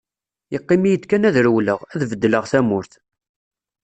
Yeqqim-iyi-d kan ad rewleɣ, ad beddleɣ tamurt.